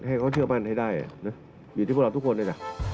ให้เขาเชื่อมั่นให้ได้นะอยู่ที่พวกเราทุกคนนี่แหละ